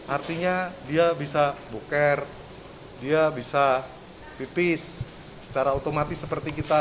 artinya dia bisa buker dia bisa pipis secara otomatis seperti kita